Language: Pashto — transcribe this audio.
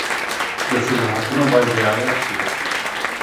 د ښځو حقونه باید رعایت شي.